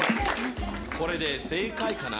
これで正解かな？